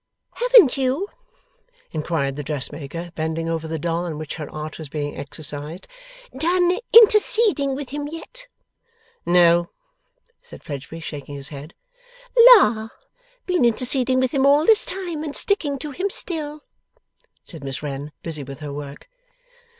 'Haven't you,' inquired the dressmaker, bending over the doll on which her art was being exercised, 'done interceding with him yet?' 'No,' said Fledgeby, shaking his head. 'La! Been interceding with him all this time, and sticking to him still?' said Miss Wren, busy with her work.